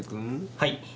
はい。